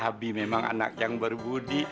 habi memang anak yang berbudi